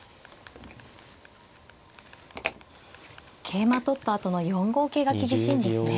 桂馬取ったあとの４五桂が厳しいんですね。